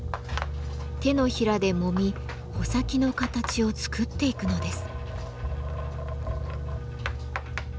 手のひらで揉み穂先の形を作っていくのです。